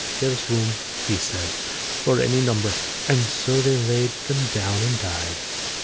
"There's room," said he, "for any number." And so they laid them down and died.